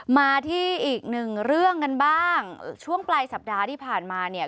มาที่อีกหนึ่งเรื่องกันบ้างช่วงปลายสัปดาห์ที่ผ่านมาเนี่ย